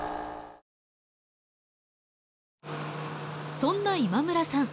そんな今村さん